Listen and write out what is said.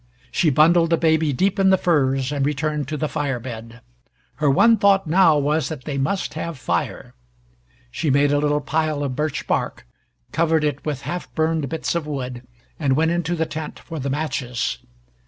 She bundled the baby deep in the furs and returned to the fire bed. Her one thought now was that they must have fire. She made a little pile of birch bark, covered it with half burned bits of wood, and went into the tent for the matches.